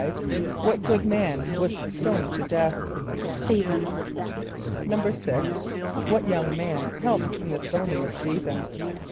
= What good man was stoned to death? =St[=e]´phen.= =6.= What young man helped in the stoning of St[=e]´phen?